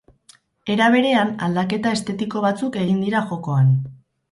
Era berean, aldaketa estetiko batzuk egin dira jokoan.